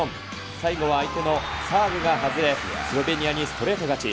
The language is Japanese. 最後は相手のサーブが外れ、スロベニアにストレート勝ち。